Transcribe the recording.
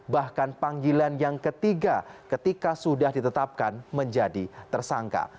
bahkan panggilan yang ketiga ketika sudah ditetapkan menjadi tersangka